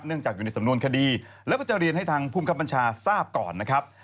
จากอยู่ในสำนวนคดีแล้วก็จะเรียนให้ทางภูมิครับบัญชาทราบก่อนนะครับ